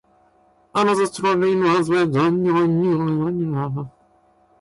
Another striking aspect of Nauryz is the Kazakh folk games and entertainment.